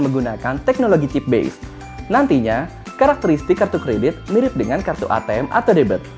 menggunakan teknologi tip base nantinya karakteristik kartu kredit mirip dengan kartu atm atau debit